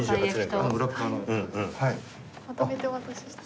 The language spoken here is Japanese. まとめてお渡しして。